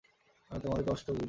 আমি তোমার কষ্ট বুঝি।